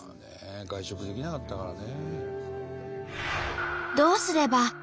外食できなかったからね。